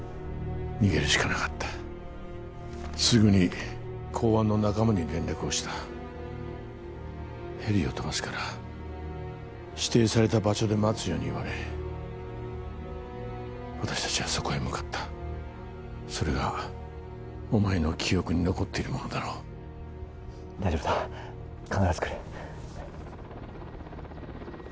逃げるしかなかったすぐに公安の仲間に連絡をしたヘリを飛ばすから指定された場所で待つように言われ私達はそこへ向かったそれがお前の記憶に残っているものだろう大丈夫だ必ず来る